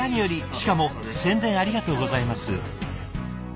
しかも宣伝ありがとうございます。